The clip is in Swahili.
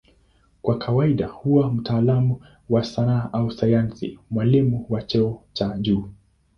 Kwa kawaida huwa mtaalamu wa sanaa au sayansi, mwalimu wa cheo cha juu.